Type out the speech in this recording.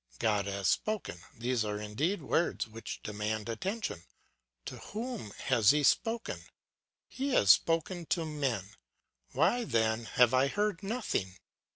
God has spoken, these are indeed words which demand attention. To whom has he spoken? He has spoken to men. Why then have I heard nothing?